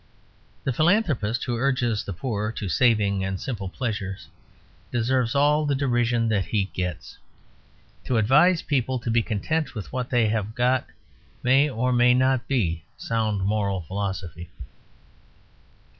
The philanthropist who urges the poor to saving and simple pleasures deserves all the derision that he gets. To advise people to be content with what they have got may or may not be sound moral philosophy.